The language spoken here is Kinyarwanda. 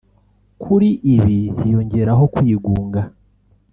Kuri ibi hiyongeraho kwigunga